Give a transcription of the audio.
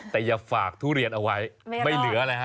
แต่อย่าฝากทุเรียนเอาไว้ไม่เหลืออะไรฮะ